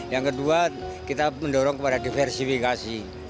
yang kedua kita mendorong kepada diversifikasi